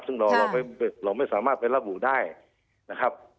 ซึ่งเราไม่สามารถไประบุได้นะครับ